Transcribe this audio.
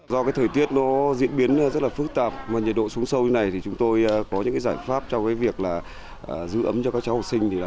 do thời tiết diễn biến rất phức tạp và nhiệt độ xuống sâu như này chúng tôi có những giải pháp cho việc giữ ấm cho các trẻ học sinh